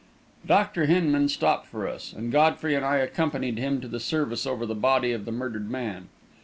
Dr. Hinman stopped for us, and Godfrey and I accompanied him to the service over the body of the murdered man.